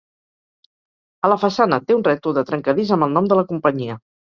A la façana té un rètol de trencadís amb el nom de la companyia.